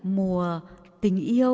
mùa tình yêu